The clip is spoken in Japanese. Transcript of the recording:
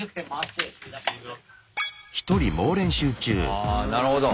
ああなるほど。